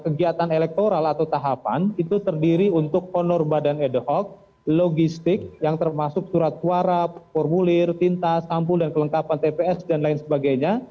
kegiatan elektoral atau tahapan itu terdiri untuk honor badan ad hoc logistik yang termasuk surat suara formulir tinta sampul dan kelengkapan tps dan lain sebagainya